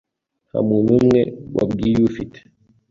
Nta muntu n'umwe wabwiye, ufite?